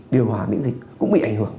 điều hòa miễn dịch cũng bị ảnh hưởng